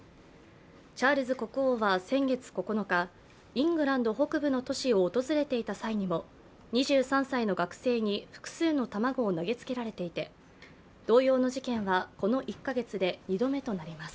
チャールズ国王は先月９日、イングランド北部の都市を訪れていた際にも２３歳の学生に複数の卵を投げつけられていて同様の事件はこの１か月で２度目となります。